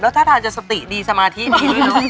แล้วถ้าทานจะสติดีสมาธิดี